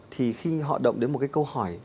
thì khi họ động đến một cái câu hỏi